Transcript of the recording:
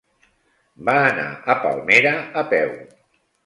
Va anar a Palmera a peu.